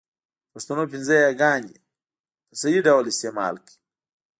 د پښتو پنځه یاګاني ی، ي، ې، ۍ، ئ په صحيح ډول استعمال کړئ!